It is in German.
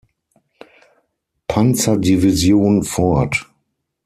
Panzerdivision fort.